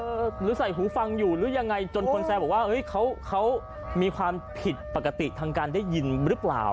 หรือใส่หูฟังอยู่หรือยังไงจนคนแซวบอกว่าเฮ้ยเขามีความผิดปกติทางการได้ยินหรือเปล่า